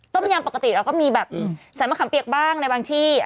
ยำปกติเราก็มีแบบใส่มะขามเปียกบ้างในบางที่